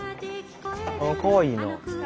かわいいな。